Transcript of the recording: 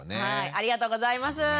ありがとうございます。